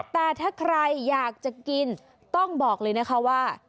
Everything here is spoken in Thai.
แต่ถ้าใครอยากจะกินต้องบอกเลยนะคะว่า